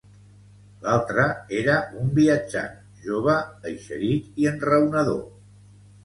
L'altre, era un viatjant, jove, eixerit i enraonador